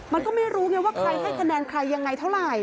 มันก็ไม่รู้ไงว่าใครให้คะแนนใครยังไงเท่าไหร่